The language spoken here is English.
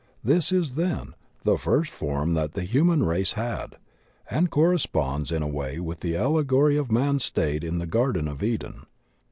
This is, then, the first form that the human race had, and corresponds in a way with the allegory of man's state in the garden of Eden.